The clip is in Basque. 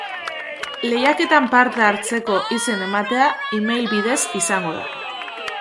Lehiaketan parte hartzeko izen ematea email bidez izango da.